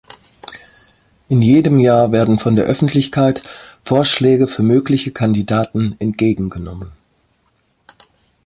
In jedem Jahr werden von der Öffentlichkeit Vorschläge für mögliche Kandidaten entgegengenommen.